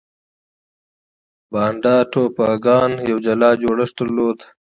بانډا ټاپوګان یو جلا جوړښت درلود.